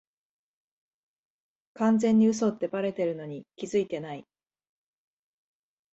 完全に嘘ってバレてるのに気づいてない